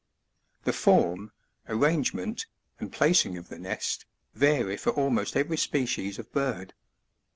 6. The form, arrangement, and placing of the nest, vary for almost every species of bird.